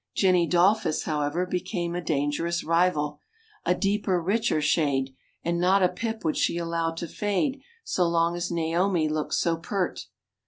Jennie Dolfus, however, became a dangerous rival a deeper, richer shade, and not a pip would she allow to fade so long as Naomi looked so pert.